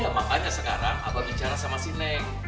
ya makanya sekarang abah bicara sama si neng